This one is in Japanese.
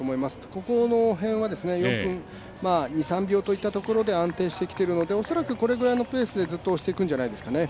ここら辺は４分２３秒というところで安定してきているので恐らく、これぐらいのペースでずっとおしていくんじゃないですかね。